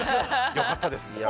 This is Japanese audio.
良かったですよ。